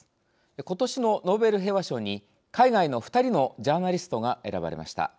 ことしのノーベル平和賞に海外の２人のジャーナリストが選ばれました。